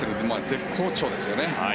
絶好調ですよね。